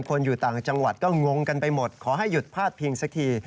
คนอยู่ต่างจังหวัดก็งงกันไปหมดขอให้หยุดพาดพิงสักที